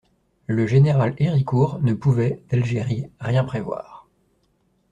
Le général Héricourt ne pouvait, d'Algérie, rien prévoir.